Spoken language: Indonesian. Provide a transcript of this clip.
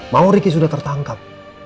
mau ricky sudah tertangkap